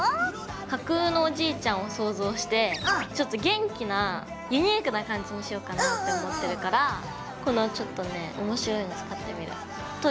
架空のおじいちゃんを想像してちょっと元気なユニークな感じにしようかなって思ってるからこのちょっとね面白いの使ってみる鳥。